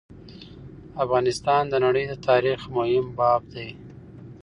افغانستان د نړی د تاریخ مهم باب دی.